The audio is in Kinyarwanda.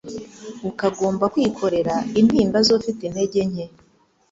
akagomba kwikorera intimba z'ufite intege nke.